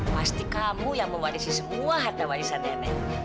pasti kamu yang mewarisi semua harta warisan nenek